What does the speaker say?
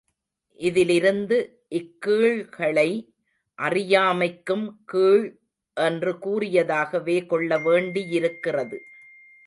இதிலிருந்து இக்கீழ்களை அறியா மைக்கும் கீழ் என்று கூறியதாகவே கொள்ளவேண்டியிருக்கிறது!